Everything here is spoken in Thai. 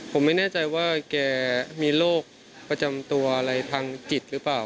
ผมไม่แน่ใจว่าแกมีโรคประจำตัวอะไรทางจิตหรือเปล่า